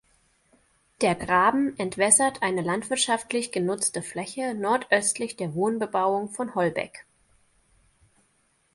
Der Graben entwässert eine landwirtschaftlich genutzte Fläche nordöstlich der Wohnbebauung von Holbeck.